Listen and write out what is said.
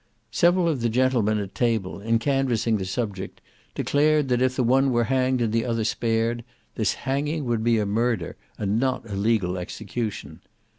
Several of the gentlemen at table, in canvassing the subject, declared, that if the one were hanged and the other spared, this hanging would be a murder, and not a legal execution.